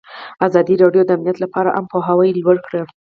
ازادي راډیو د امنیت لپاره عامه پوهاوي لوړ کړی.